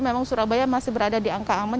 memang surabaya masih berada di angka aman